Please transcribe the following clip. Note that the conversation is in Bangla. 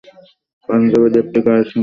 পাঞ্জাবি লেপ্টে গায়ের সঙ্গে মিশে আছে।